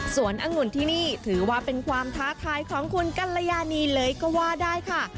อังุ่นที่นี่ถือว่าเป็นความท้าทายของคุณกัลยานีเลยก็ว่าได้ค่ะ